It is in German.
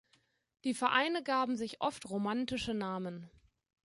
Die Vereine gaben sich oft romantische Namen.